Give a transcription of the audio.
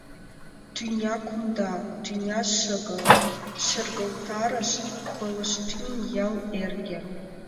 — Тӱня кумда — тӱня шыгыр, — шергылтарыш Пылыштӱҥ ял эрге.